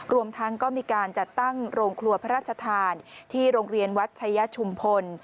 รวมทั้งก็มีการจัดตั้งโรงครัวพระราชทานที่โรงเรียนวัดชายชุมพล